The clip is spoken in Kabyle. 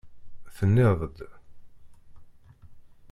Tenniḍ-d.